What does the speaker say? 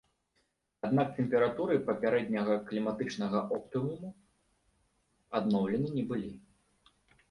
Аднак тэмпературы папярэдняга кліматычнага оптымуму адноўлены не былі.